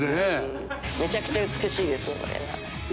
「めちゃくちゃ美しいですよこれは」